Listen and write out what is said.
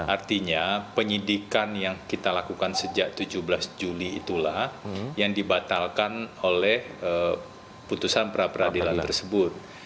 artinya penyidikan yang kita lakukan sejak tujuh belas juli itulah yang dibatalkan oleh putusan pra peradilan tersebut